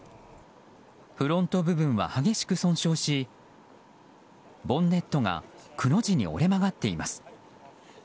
フロント部分は激しく損傷しボンネットがくの字に折れ曲がっています。